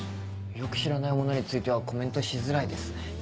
よく知らないものについてはコメントしづらいですね。